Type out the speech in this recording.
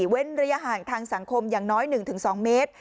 ระยะห่างทางสังคมอย่างน้อย๑๒เมตร